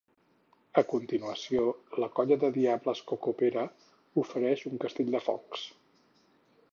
A continuació, la Colla de Diables Coco Pere ofereix un castell de focs.